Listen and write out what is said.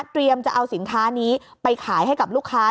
จะเอาสินค้านี้ไปขายให้กับลูกค้า